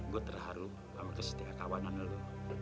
gue terharu aku kesetia kawanan lo